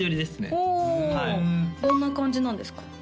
ほおどんな感じなんですか？